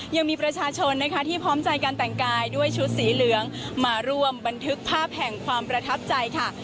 ยังมีประชาชนนะคะที่พร้อมใจการแต่งกายด้วยชุดสีเหลืองมาร่วมบันทึกภาพแห่งความประทับใจค่ะ